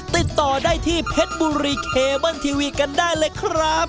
ติดต่อได้ที่เพชรบุรีเคเบิ้ลทีวีกันได้เลยครับ